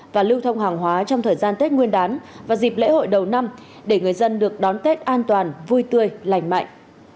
và lưu thông hàng hóa trong thời gian tết nguyên đán và dịp lễ hội đầu năm để người dân được đón tết an toàn vui tươi lành mạnh